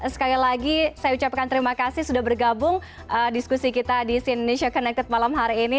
sekali lagi saya ucapkan terima kasih sudah bergabung diskusi kita di si indonesia connected malam hari ini